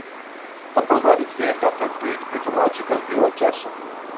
The program is named after the Greek mythological hero Jason.